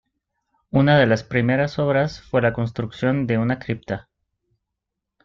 Una de las primeras obras fue la construcción de una Cripta.